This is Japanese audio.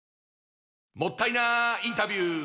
もったいなインタビュー！